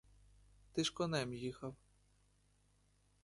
Ти ж конем їхав?